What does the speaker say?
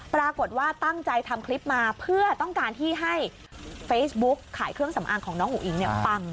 ปรากฏว่าตั้งใจทำคลิปมาเพื่อต้องการที่ให้เฟซบุ๊กขายเครื่องสำอางของน้องอุ๋อิ๋งเนี่ยปัง